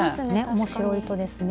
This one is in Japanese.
面白い糸ですね。